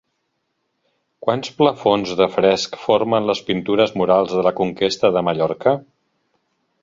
Quants plafons de fresc formen les Pintures murals de la conquesta de Mallorca?